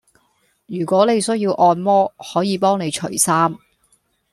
如果你需要按摩，可以幫你除衫